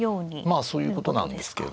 まあそういうことなんですけれどもね。